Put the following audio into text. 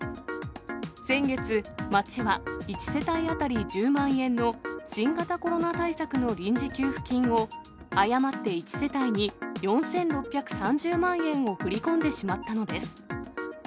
先月、町は１世帯当たり１０万円の新型コロナ対策の臨時給付金を、誤って１世帯に４６３０万円を振り込んでしまったのです。